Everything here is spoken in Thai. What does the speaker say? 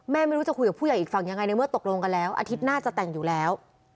ไม่รู้จะคุยกับผู้ใหญ่อีกฝั่งยังไงในเมื่อตกลงกันแล้วอาทิตย์หน้าจะแต่งอยู่แล้ว